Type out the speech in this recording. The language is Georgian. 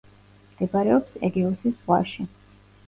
მდებარეობს ეგეოსის ზღვაში.